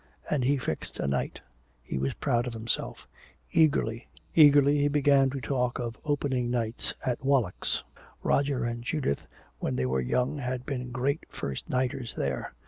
And he fixed a night. He was proud of himself. Eagerly he began to talk of opening nights at Wallack's. Roger and Judith, when they were young, had been great first nighters there.